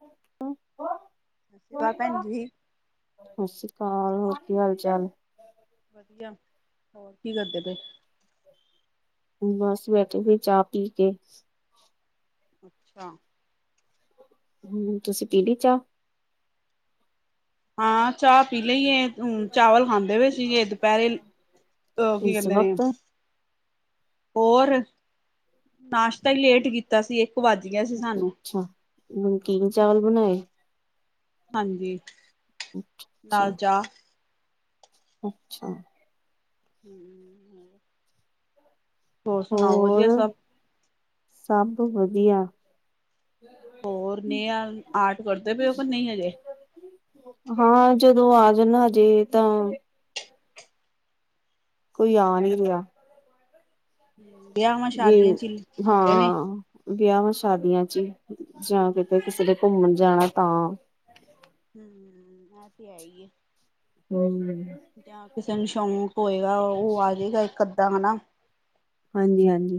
ਹਮ ਕਿਦਾ ਭੈਣ ਜੀ? ਸਤਿ ਸ਼੍ਰੀ ਅਕਾਲ, ਹੋਰ ਕੀ ਹਾਲ ਚਾਲ? ਵਧੀਆ, ਹੋਰ ਕੀ ਕਰਦੇ ਪਏ? ਬੱਸ ਬੈਠੇ ਸੀ, ਚਾਹ ਪੀ ਕੇ ਅੱਛਾ। ਹਮ ਤੁਸੀਂ ਪੀ ਲੀ ਚਾਹ, ਹਾਂ। ਚਾਹ ਪੀ ਲਈਏ। ਹਮ ਚਾਵਲ ਖਾਂਦੇ ਪਏ ਸੀਗੇ, ਦੁਪਹਿਰੇ। ਉਹ ਕੀ ਇਸ ਕਹਿੰਦੇ ਨੇ? ਵਕਤ? ਹੋਰ, ਨਾਸ਼ਤਾ ਹੀ ਲੇਟ ਕੀਤਾ ਸੀ, ਇੱਕ ਵੱਜ ਗਿਆ ਸੀ। ਸਾਨੂੰ ਅੱਛਾ, ਨਮਕੀਨ ਚਾਵਲ ਬਣਾਏ? ਹਾਂਜੀ, ਨਾਲ ਚਾਹ ਅੱਛਾ। ਹਮ [inaudible] ਹੋਰ ਸੁਣਾਓ? ਵਧੀਆ, ਹੋਰ? ਸਭ ਸਭ ਵਧੀਆ ਹੋਰ ਨੇ ਆ ਆਟ ਕਰਦੇ ਪਏ ਕੇ ਨਹੀਂ ਅਜੇ? ਹਾਂ ਜਦੋਂ ਆ ਜਾਂਦਾ ਹਜੇ ਤਾਂ ਕੋਈ ਆ ਨੀ ਰੇਆ। ਵਿਆ ਜੀ ਹਾਂ। ਵਿਆਵਾ ਸ਼ਾਦੀਆਂ ਚ, ਜਾਂ ਕਿਤੇ ਕਿਸੇ ਹਮ ਨੇ ਘੁੰਮਣ ਜਾਣਾ ਤਾਂ ਹੂੰ ਆ ਤੇ ਐਈ ਐ। [unintelligible] ਜਾਂ ਕਿਸੇ ਨੂੰ ਸ਼ੌਕ ਹੋਏਗਾ ਓ ਆ ਜੇਗਾ ਏਕ ਅੱਦਾ ਹਨਾ। ਹਾਂਜੀ-ਹਾਂਜੀ।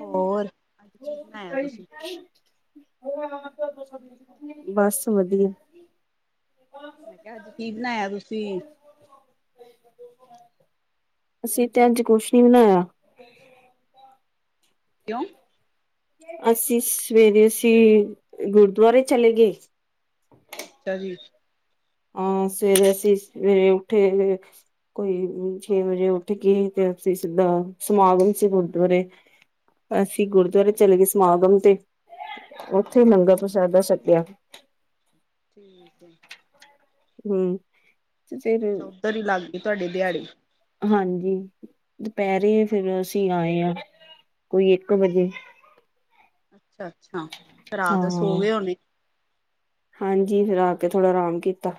ਹੋਰ ਅੱਜ ਕੀ ਬਣਾਇਆ ਤੁਸੀਂ? [unintelligible] ਬਸ ਵਧੀਆ। ਮੈਂ ਕੇਆ ਅੱਜ ਕੀ ਬਣਾਇਆ ਤੁਸੀਂ? ਅਸੀਂ ਤੇ ਅੱਜ ਕੁਛ ਨੀ ਬਣਾਇਆ। ਕਿਉਂ? ਅਸੀਂ ਸਵੇਰੇ ਅਸੀਂ ਗੁਰਦੁਆਰੇ ਚਲੇ ਗੇ ਅੱਛਾ ਜੀ। ਅ ਸਵੇਰੇ ਅਸੀ ਸਵੇਰੇ ਉੱਠੇ ਤੇ ਕੋਈ ਛੇ ਵਜੇ ਉੱਠ ਕੇ ਤੇ ਅਸੀਂ ਸਿੱਧਾ ਸਮਾਗਮ ਸੀ ਗੁਰਦੁਆਰੇ। ਅਸੀਂ ਅੱਛਾ ਗੁਰਦੁਆਰੇ ਚਲੇ ਗੇ ਸਮਾਗਮ ਤੇ, ਓਥੇ ਅੱਛਾ ਲੰਗਰ ਅੱਛਾ ਪ੍ਰਸ਼ਾਦਾ ਛੱਕੇਆ। ਠੀਕ ਐ। ਹੂੰ। ਅੱਛਾ ਓਧਰ ਹੀ ਲੱਗ ਗਈ ਧਾਡੀ ਦੇਆੜੀ। ਹਾਂਜੀ ਦੁਪੈਰੇ ਫੇਰ ਅਸੀਂ ਆਏ ਆ ਕੋਈ ਏਕ ਵਜੇ। ਅੱਛਾ-ਅੱਛਾ ਫੇਰ ਆ ਹਾਂ ਕੇ ਸੌ ਗਏ ਹੋਣੇ? ਹਾਂਜੀ ਫੇਰ ਆ ਕੇ ਥੋੜਾ ਰਾਮ ਕੀਤਾ।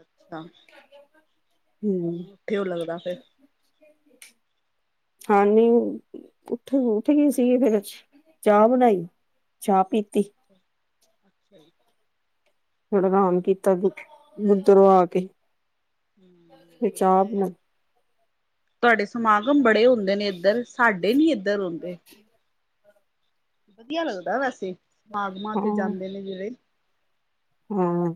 ਅੱਛਾ ਹਮ ਹੂੰ ਉੱਠੇ ਹੋ ਲੱਗਦਾ ਫੇਰ? ਹਾਂ ਨੀ ਉਠ ਉਠ ਗਏ ਸੀਗੇ ਅਸੀਂ। ਚਾਅ ਬਣਾਈ ਚਾਅ ਪੀਤੀ। ਅੱਛਾ ਜੀ। ਫੇਰ ਥੋੜ੍ਹਾ ਰਾਮ ਕੀਤਾ ਓਦਰੋ ਆ ਕੇ। ਫਿਰ ਹੂੰ ਚਾਹ ਵਧੀਆ ਆ, ਬਣਾਈ ਤੁਹਾਡੇ ਸਮਾਗਮ ਬੜੇ ਹੁੰਦੇ ਨੇ ਏਦਰ ਸਾਡੇ ਨੀ ਏਦਰ ਹੁੰਦੇ। ਵਧੀਆ ਲੱਗਦਾ ਵੈਸੇ ਸਮਾਗਮਾਂ ਤੇ ਹਾਂ ਜਾਂਦੇ ਨੇ ਜੇਹੜੇ। ਹਾਂ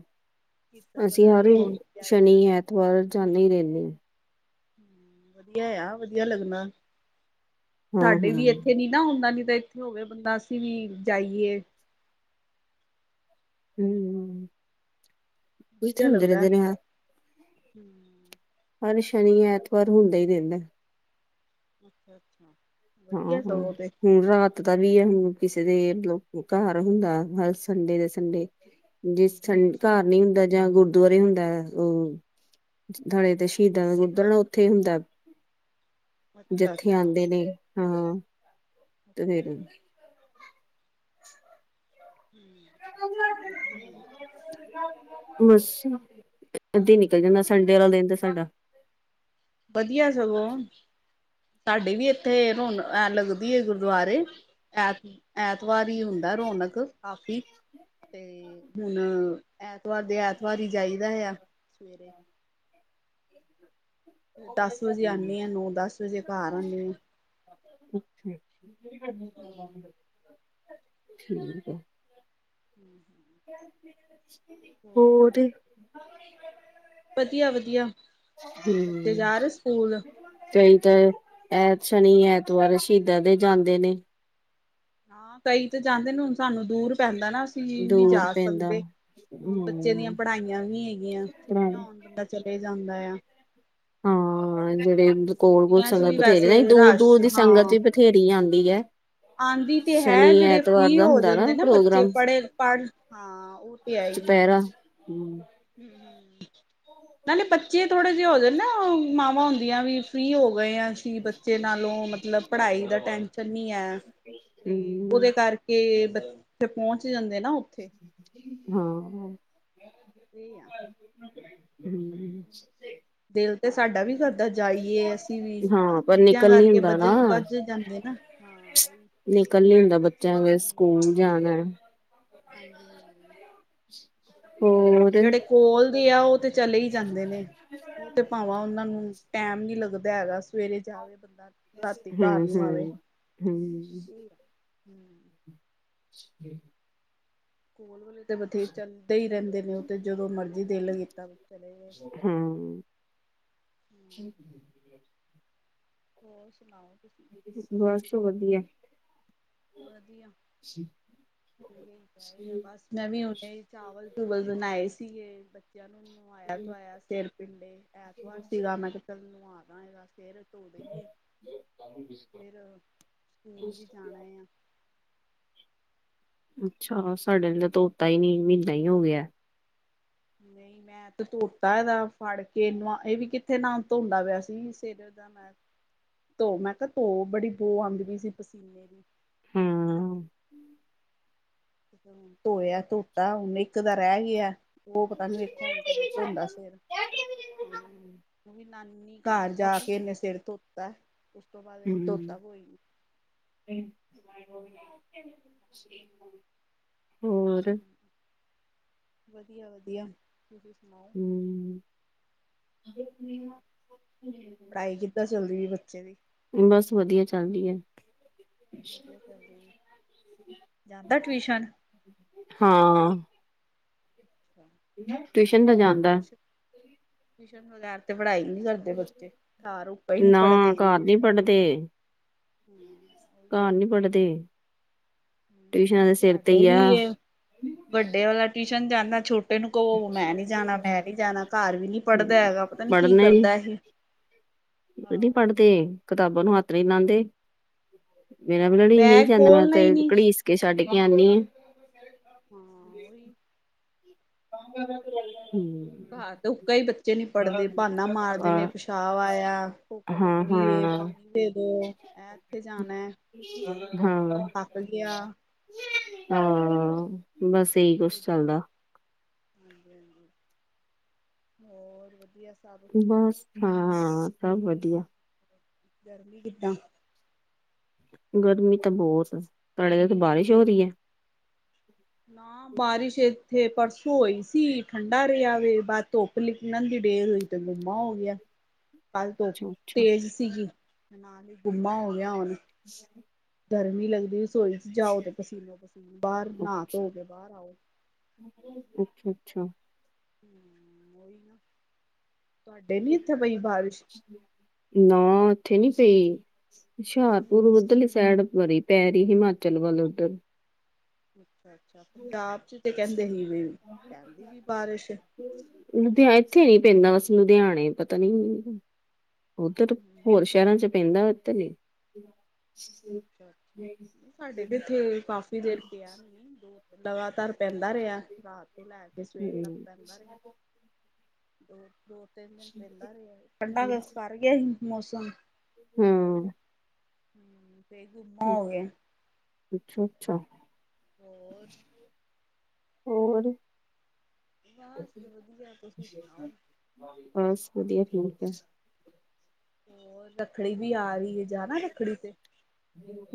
ਅਸੀਂ ਵਗੈਰਾ ਹਰ, ਸੁਣ ਕੇ ਆਈਦਾ ਸ਼ਨੀ ਐਤਵਾਰ ਜਾਂਦੇ ਹੀ ਰੈਂਦੇ ਆ। ਹੂੰ ਵਧੀਆ ਆ ਵਧੀਆ ਲੱਗਨਾ, ਹਾਂ ਹਾਂ ਸਾਡੇ ਵੀ ਹਮ ਏਥੇ ਨੀਂ- ਨਾ ਹੁੰਦਾ ਕੇਤੇ ਏਥੇ ਹੋਵੇ, ਬੰਦਾ ਅਸੀਂ ਵੀ ਜਾਈਏ। ਹੂੰ। ਵਧੀਆ ਲੱਗਦੈ, ਨੇ ਹਾਂ, ਹੂੰ। ਹਰ ਸ਼ਨੀ ਐਤਵਾਰ ਹੁੰਦਾ ਈ ਰਈਦਾ। ਅੱਛਾ ਅੱਛਾ। ਹਾਂ-ਹਾਂ ਹੁਣ ਰਾਤ ਦਾ ਵੀ ਐ ਹੁਣ ਕਿਸੇ ਦੇ ਮਤਲਬ ਘਰ ਹੁੰਦਾ ਹਰ ਸੰਡੇ ਦੇ ਸੰਡੇ। ਜਿਸ ਸੰ ਘਰ ਅੱਛਾ ਨੀ ਹੁੰਦਾ ਜਾਂ ਗੁਰਦੁਆਰੇ ਹੁੰਦੈ ਓ ਨਾਲੇ ਤੇ ਸ਼ਹੀਦਾਂ ਠੀਕ ਦਾ ਗੁਰਦੁਆਰਾ ਨਾ ਓਥੇ ਹੁੰਦਾ, ਜੀਥੇ ਅੱਛਾ-ਅੱਛਾ, ਆਦੇ ਨੇ ਹਾਂ, ਤੇ ਫੇਰ ਅੱਛਾ ਜੀ ਹੂੰ ਵਧੀਆ ਆ। [inaudible] ਬਸ ਏਦਾਂ ਨਿਕਲ ਜਾਂਦਾ, ਸੰਡੇ ਵਾਲਾ ਦਿਨ ਤਾਂ ਸਾਡਾ। ਵਧੀਆ ਸਗੋਂ, ਸਾਡੇ ਵੀ ਇੱਥੇ ਰੌਣਕ ਇਹ ਲੱਗਦੀ ਹੈ ਗੁਰਦੁਆਰੇ ਐਤ- ਐਤਵਾਰ ਹੀ ਹੁੰਦਾ ਰੌਣਕ ਕਾਫ਼ੀ ਤੇ ਹੁਣ, ਐਤਵਾਰ, ਦੇ ਐਤਵਾਰ ਹੀ, ਜਾਈਦਾ ਆ ਦਸ ਵਜੇ ਆਉਂਣੀ ਹਾਂ ਨੌ -ਦਸ ਵਜੇ ਘਰ ਆਉਂਣੀ ਆ ਅੱਛਾ। ਹੂੰ ਠੀਕ ਆ। [inaudible] ਹੂੰ ਹੂੰ। [inaudible] ਹੋਰ ਵਧੀਆ -ਵਧੀਆ ਬੱਚੇ ਜਾਂ ਰਹੇ ਸਕੂਲ? ਕਈ ਤੇ ਐਤ, ਸ਼ਨੀ -ਐਤਵਾਰ ਸ਼ਹੀਦਾਂ ਦੇ ਜਾਂਦੇ ਨੇ, ਹਾਂ, ਕਈ ਤੇ ਜਾਂਦੇ ਨੇ, ਹੁਣ ਸਾਨੂੰ ਦੂਰ ਪੈਂਦਾ ਨਾਂ, ਅਸੀ ਨਹੀਂ ਦੂਰ ਜਾ ਪੈਂਦਾ। ਸਕਦੇ, ਬਚਿਆਂਦੇ ਹੂੰ ਪੜ੍ਹਾਈਆਂ ਵੀ ਹੈਗੀਆਂ, ਛੁੱਟੀਆਂ ਹੋਣ ਤੇ ਚਲੇ ਜਾਂਦਾ ਆ। ਹਾਂ ਜਿਹੜੇ, ਕੋੋਲ- ਕੋਲ ਛੁੱਟੀਆਂ ਚ ਸੰਗਤ ਵੀ ਬਥੇਰੀ, ਵੈਸੇ ਨਈ। ਦੂਰ- ਰਸ਼ ਦੂਰ ਦੀ ਸੰਗਤ ਵੀ, ਬਥੇਰੀ ਆਉਂਦੀ ਆ ਆਦੀ ਤੇ ਹੈ, ਜਿਹੜੇ ਫ੍ਰਰੀ ਹੋ ਹੁੰਦਾ ਨਾ ਜਾਂਦੇ ਨੇ, ਬੱਚੇ ਪ੍ਰੋਗਰਾਮ ਪੜੇ ਪੜ ਹਾਂ, ਉਹ ਤੇ ਹੈਂ ਏ ਹੁਂ। ਹੁਂ ਹੁਂ ਨਾਲੇ ਬੱਚੇ ਥੋੜੇ ਜਿਹੇ ਹੋ ਜਾਣ ਨਾਂ, ਮਾਵਾਂ ਹੁੰਦੀਆਂ ਵੀ ਫਰੀ ਹੋ ਗਏ ਆਂ ਬੱਚੇ ਨਾਲੋਂ, ਮਤਲਬ ਪੜ੍ਹਾਈ ਦਾ ਟੈਮਨ ਤੇ ਨਹੀਂ ਹੈ, ਉਹਦੇ ਹੂੰ ਕਰਕੇ ਕੇ ਬਚੇ ਤੇ ਪਹੁੰਚ ਜਾਂਦੇ ਨਾ ਉਹ ਹਾਂ। ਸਹੀ ਆ ਹਮ [inaudible] ਦਿਲ ਤੇ ਸਾਡਾ ਵੀ ਕਰਦਾ ਜਾਈਏ ਅਸੀਂ ਵੀ, ਬਸ ਹਾਂ ਪਰ ਬੱਚਿਆਂ ਨਿਕਲ ਨੀ ਕਰਕੇ ਹੁੰਦਾ ਬੱਜ ਨਾ -ਬੱਜ ਜਾਂਦੇ ਨਾ ਹਾਂ। ਉਹੀ ਨਿਕਲ ਨਈ ਹੁੰਦਾ ਹੈ। ਬੱਚਿਆਂ ਫਿਰ ਨਾਲ ਹੀ, ਸਕੂਲ ਜਾਣਾਂ ਹਾਂਜੀ- ਹਾਂਜੀ। ਹੋਰ ਕੋਲਦੇ ਆ, ਉਹ ਤੇ ਚਲੇ ਹੀ ਜਾਂਦੇ ਨੇ, ਉਹ ਤੇ ਭਾਵਾਂ ਉਹਨਾਂ ਨੂੰ ਟਾਈਮ ਨਈ ਲੱਗਦਾ ਹੈਗਾ, ਸਵੇਰੇ ਜਾਵੇ ਬੰਦਾ ਰਾਤੀ ਘਰ ਹੂੰ ਨੂੰ, ਆਵੇ ਹੂੰ ਹੂੰ ਸਹੀ ਏ, ਸਕੂਲ ਵਾਲੇ ਤਾਂ ਬਥੇਰੇ ਚੱਲਦੇ ਹੀ ਰਹਿੰਦੇ ਨੇ, ਉਹ ਤੇ ਜਦੋਂ ਮਰਜ਼ੀ, ਦਿਲ ਕੀਤਾ ਚਲੇ ਗਏ ਹੂਂ। ਹੋਰ ਸੁਣਾਓ ਤੁਸੀਂ? ਬਸ, ਵਧੀਆ ਵਧੀਆ, ਵਧੀਆ ਹੀ ਚਾਹੀਦਾ ਬਸ ਮੈਂ ਵੀ ਹੁਣੇ, ਚਾਵਲ -ਚੂਵਲ ਬਣਾਂਏ ਸੀਗੇ, ਬੱਚਿਆਂ ਨੂੰ ਨਵਾਇਆ ਤਾਵਾਂਆ ਸਿਰ ਪਿੰਡੇ, ਐਤਵਾਰ ਸੀਗਾ ਮੈ ਕਿਹਾ, ਚੱਲ ਨਵਾਹ ਦਾ ਇਹਦਾ ਸਿਰ ਧੋਹ ਦੇਈਏ, ਫਿਰ ਸਕੂਲ ਵੀ ਜਾਣਾਂ ਅੱਛਾ, ਸਾਡੇ ਆਲੇ ਨੇ ਤਾਂ ਧੋਤਾ ਹੀ ਨਈ, ਮਹੀਨਾ ਹੀ ਹੋ ਗਿਆ ਨਹੀਂ ਮੈਂ ਤੇ ਧੋਤਾ ਇਹਦਾ ਫੜ ਕੇ ਨਵਾਂ ਇਹ ਵੀ ਕਿੱਥੇ ਨਾਂਹ ਧੋਂਦਾ ਪਿਆ ਸੀ। ਸਿਰ ਏਦਾ ਮੈਂ ਧੋ ਮੈਂ ਕਿਹਾ ਧੋ ਬੜੀ ਬੋਹ ਆਉਂਦ ਪਈ ਸੀ ਪਸੀਨੇ ਦੀ। ਹੂ ਧੋਇਆ ਧੋਤਾ ਹੁਨ ਇੱਕ ਦਾ ਰਹਿ ਗਿਆ। ਉਹ ਪਤਾ ਨੀ ਵੇਖੋ ਹੁਣ ਕਦੋਂ ਧੋਦਾ ਸਿਰ। ਇਕੋ ਵਾਰੀ ਨਾਨੀ ਘਰ ਜਾ ਕੇ ਇਹਨੇ ਸਿਰ ਧੋਤਾ। ਉਸ ਤੋਂ ਬਾਅਦ ਇਹਨੇ ਹੂੰ ਧੋਤਾ ਕੋਈ ਨਈ। ਹੋਰ। ਹੂੰ ਵਧੀਆ ਵਧੀਆ। ਤੁਸੀਂ ਸੁਣਾਂਓ। ਹੂ ਪੜਾਈ ਕਿੱਦਾਂ ਚੱਲਦੀ ਵੇ ਬੱਚੇ ਦੀ। ਬਸ ਵਧੀਆ ਚੱਲਦੀ ਹੈ। ਜਾਂਦਾ ਟਿਊਸ਼ਨ? ਹਾਂ। ਟਿਊਸ਼ਨ ਤਾ ਜਾਂਦਾ। ਟਿਊਸ਼ਨ ਬਗੈਰ ਤੇ ਪੜ੍ਹਾਈ ਨਹੀਂ ਕਰਦੇ ਬੱਚੇ। ਘਰ ਉਕਾ ਹੀ ਨਹੀਂ ਪੜ੍ਹਦੇਂ। ਨਹੀਂ ਪੜਦੇ। ਘਰ ਨੀ ਪੜ੍ਹਦੇ। ਟਿਊਸ਼ਨਾਂ ਦੇ ਸਿਰ ਤੇ ਸਾਡੇ ਹੀ ਵੀ ਆ। ਇਹ ਵੱਡੇ ਵਾਲਾ ਟਿਊਸ਼ਨ ਜਾਂਦਾ ਛੋਟਾ ਏਨੂੰ ਕਹੋ ਮੈਂ ਨੀ ਜਾਣਾ ਮੈਂ ਨੀ ਜਾਣਾ ਘਰ ਵੀ ਨੀ ਪੜ੍ਹਦਾ ਹੈਗਾ, ਪਤਾ ਨੀ ਕੀ ਕਰਦਾ ਇਹ ਉਹ ਨੀ ਹਾਂ ਪੜ੍ਹਦੇ ਕਿਤਾਬਾਂ ਨੂੰ ਹੱਥ ਨੀ ਲਾਉਂਦੇ ਮੇਰਾ ਵੀ ਹਾਂ, ਲੜੀ ਨਹੀਂ ਬੈਗ ਜਾਂਦਾ ਮੈਂ ਖੋਲਣਾ ਹੀ ਤੇ ਨੀ ਘੜੀਸ ਕੇ ਛੱਡ ਕੇ ਆਉਦੀ ਆਾਂ ਹਾਂ ਉਹੀ ਹਮ [inaudible] ਘਾਰ ਤੇ ਉਕਾ ਹੀ ਬੱਚੇ ਨੀ ਪੜ੍ਹਦੇ ਬਾਨਾ ਮਾਰਦੇ ਆ ਨੇ ਪਿਸ਼ਾਬ ਆਇਆ ਭੁੱਖ ਹਾਂ ਲੱਗੀ ਏ, ਹਾਂ ਪਾਣੀ ਦੇ ਦੋ ਇਹ ਇੱਥੇ ਜਾਣਾ ਹੈ ਹਾਂ ਹਾਂ ਬਸ ਇਹੀ ਕੁਛ ਚੱਲਦਾ ਹਾਂਜੀ ਹਾਂਜੀ ਹੋਰ ਵਧੀਆ ਸਭ ਬਸ ਹਾਂ ਸਭ ਵਧੀਆ ਗਰਮੀ ਕਿੱਦਾਂ ਗਰਮੀ ਤੇ ਬਹੁਤ ਐ, ਤੁਹਾਡੇ ਉਥੇ ਬਾਰਿਸ਼ ਹੋ ਰਹੀ ਹੈ ਨਾ ਬਾਰਿਸ਼ ਏ ਇੱਥੇ ਪਰਸੋਂ ਹੋਈ ਸੀ, ਠੰਡਾ ਰਿਹਾ ਵਵੇ ਬਾਦ ਧੁੱਪ ਲਿਕਣ ਦੀ ਡੇਰ ਹੋਈ ਤੇ ਗੁੰਮਾ ਹੋ ਗਿਆ ਹਮ ਕੱਲ ਧੁੱਪ ਤੇਜ਼ ਸੀਗੀ, ਨਾਲ ਹੀ ਗੁੰਮਾ ਹੋ ਗਿਆ ਹੁਣ ਹੱ [unintelligible] ਗਰਮੀ ਲੱਗਦੀ, ਰਸੋਈ ਜਾਓ ਤੇ ਪਸੀਨੋ ਪਸੀਨੇ ਬਾਹਰ ਨਾ ਧੋ ਕੇ ਬਾਹਰ ਆਓ ਅੱਛਾ ਅੱਛਾ ਤੁਹਾਡੇ ਨੀ ਇੱਥੇ ਪਈ ਬਾਰਿਸ਼ ਨਾ ਉੱਥੇ ਨੀ ਪਈ, ਹੂੰ ਹੂੰ ਹੁਸ਼ਿਆਰਪੁਰ ਉਧਰਲੀ ਸਾਈਡ ਵਰੀ ਪੈ ਰਹੀ ਹਿਮਾਚਲ ਵੱਲ ਉੱਧਰ ਅੱਛਾ ਅੱਛਾ ਪੰਜਾਬ ਚ ਤੇ ਕਹਿੰਦੇ ਸੀ ਵੀ ਰਾਤੀ ਵੀ ਬਾਰਿਸ਼ ਐ ਲੁਧਿਆ ਇੱਥੇ ਨੀ ਪੈਂਦਾ ਬਸ ਲੁਧਿਆਣੇ ਪਤਾ ਨੀ ਉਧਰ ਹੂੰ ਹੋਰ ਸ਼ਹਿਰਾਂ ਚ ਪੈਂਦਾ ਇਧਰ ਨਈ ਹੂੰ, ਅੱਛਾ ਅੱਛਾ ਸਾਡੇ ਤੇ ਇੱਥੇ ਕਾਫ਼ੀ ਦੇਰ ਪਿਆ, ਲਗਾਤਾਰ ਪੈਂਦਾ ਰਿਹਾ ਰਾਤ ਤੋਂ ਲੈ ਕੇ ਤੇ ਸਵੇਰ ਤੱਕ ਹੂੰ, ਪੈਂਦਾ ਰਿਹਾ ਆ ਤੇ ਦੋ ਦੋ ਤਿੰਨ ਦਿਨ ਪਹਿਦਾ ਰਿਹਾ, ਠੰਡਾ ਕਰ ਗਿਆ ਸੀ ਮੌਸਮ ਫੇਰ ਫੇਰ ਗੁੰਮਾ ਹੋ ਗਿਆ ਹੈ ਅੱਛਾ ਅੱਛਾ ਹੋਰ ਹੋਰ ਬਸ ਵਧੀਆ ਤੁਸੀਂ ਸੁਣਾਓ ਬਸ ਵਧੀਆ ਠੀਕ ਹੈ ਹੋਰ ਲੱਕੜੀ ਵੀ ਆ ਰਹੀ ਹੈ ਜਾਣਾ ਲੱਕੜੀ ਤੇ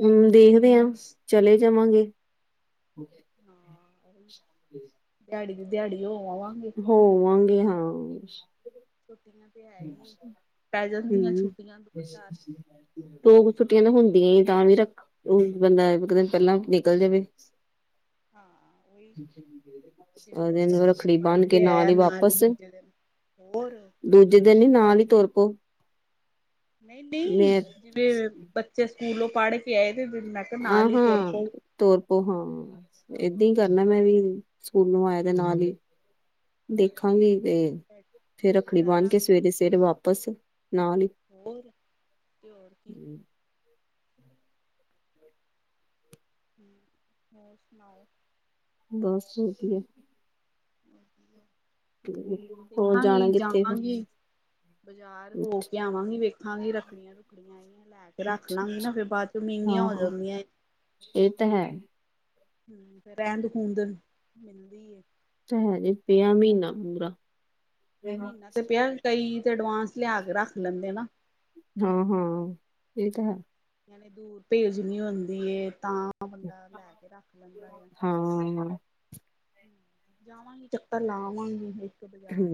ਹੂ ਦੇਖਦੇ ਆਂ ਚਲੇ ਜਾਵਾਂਗੇ ਹਾਂ ਜਮ [inaudible] ਦਿਹਾੜੀ ਦੀ ਦਿਹਾੜੀ ਹੋ ਆਵਾਂਗੇ ਹੋ ਆਵਾਂਗੇ ਹਾਂ ਛੁੱਟੀਆਂ ਤੇ ਹੈ ਹੀ, ਪੈ ਜਾਂਦੀਆਂ ਛੁੱਟੀਆਂ ਦੋ ਚਾਰ ਦੋ ਕੁ ਛੁੱਟੀਆਂ ਤਾਂ ਹੁੰਦੀਆਂ ਹੀ ਤਾਂ ਵੀ ਰੱਖ ਬੰਦਾ ਇੱਕ ਦਿਨ ਪਹਿਲਾਂ ਨਿਕਲ ਜਾਵੇ ਹਾਂ ਉਹੀ ਜਿਵੇਂ ਅਗਲੇ ਬੱਚਾ ਦਿਨ ਸਕੂਲੋਂ ਰੱਖੜੀ ਪੜ੍ਹ ਬੰਨ ਕੇ ਨਾਲ ਹੀ ਵਾਪਿਸ ਬੋਲ ਦੂਜੇ ਦਿਨ ਹੀ ਨਾਲ ਹੀ ਤੁਰਪੋ ਨਹੀਂ ਨਹੀਂ ਜਿਵੇਂ ਬੱਚੇ ਸਕੂਲੋਂ ਪੜ੍ਹ ਕੇ ਆਏ ਤੇ ਮੈਂ ਕਿਹਾ ਨਾਲ ਹੀ ਤੁਰ ਪਊ ਤਰ ਪੋ ਹਾਂ, ਏਦਾਂ ਹੀ ਕਰਨਾ ਮੈਂ ਵੀ ਸਕੂਲ ਨੂੰ ਆਇਆ ਤੇ ਨਾਲ ਹੀ ਹਾਂ ਦੇਖਾਂਗੀ ਤੇ ਦਿਹਾੜੀ ਦੀ ਫਿਰ ਰੱਖੜੀ ਰਹਿ ਬਾਂਨ ਕੇ ਲਾਂਗੇ ਸਵੇਰੇ ਸਵੇਰੇ ਵਾਪਿਸ ਨਾਲ ਹੀ ਬੂਰ ਤੇ ਹੋਰ ਕੀ ਹੋਰ ਸੁਣਾਓ ਬਸ ਹੋ ਗਈ ਏ ਹੋਰ ਦੇਖਾਂਗੀ ਜਾਣਾ ਕਿੱਥੇ ਜਾਵਾਂਗੀ। ਬਜ਼ਾਰ ਫਿਰ ਹੋ ਕੇ ਆਵਾਂਗੀ ਵੇਖਾਂਗੀ ਰੱਖੜੀਆਂ ਰੁਖੜੀਆਂ। ਮ ਲੈ ਕੇ ਰੱਖ ਲਾਂਗੀ ਨਾ ਫੇਰ ਬਾਅਦ ਚੋਂ ਹਾਂ ਮਹਿੰਗੀਆਂ ਹੋ ਹਾਂ ਜਾਂਦੀਆਂ। ਇਹ ਤਾਂ ਹੈ। ਹੂ ਤੇ ਰਹਿੰਦ ਖੂੰਦ ਮਿਲਦੀ ਹੈ। ਔ ਤਾ ਹੈ, ਜ ਪਿਆ ਮਹੀਨਾ ਪੂਰਾ। ਮਹੀਨਾ ਤੇ ਪਿਆ ਕਈ ਤੇ ਅਡਵਾਂਸ ਲਿਆ ਕੇ ਰੱਖ ਲੈਂਦੇ ਨਾ। ਹਾਂ-ਹਾਂ ਇਹ ਤਾਂ ਹੈ। ਇਹਨੀਂ ਦੂਰ ਭੇਜ ਨੀ ਹੁੰਦੀ ਏ ਤਾਂ। ਬੰਦਾ ਲੈ ਕੇ ਰੱਖ ਲੈਂਦਾ ਆ। ਹਾਂ ਜਾਵਾਂਗੀ ਚੱਕਰ ਲਾ ਆਵਾਂਗੀ ਇਹ। ਹੂ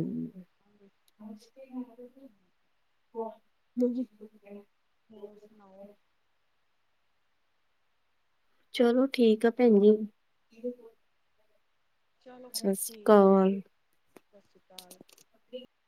[inaudible] ਹੋਰ ਸੁਣਾਓ। ਚਲੋ ਠੀਕ ਆ ਭੈਣ ਜੀ। ਚਲੋ ਸਤਿ ਸ਼੍ਰੀ ਠੀਕ ਏ ਅਕਾਲ। ਸਤਿ ਸ਼੍ਰੀ ਅਕਾਲ।